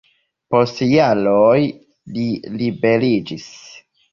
Post jaroj li liberiĝis.